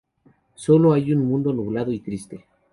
Sólo hay un mundo nublado y triste.